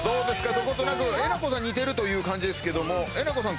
どことなくえなこさん似てるという感じですけどもえなこさん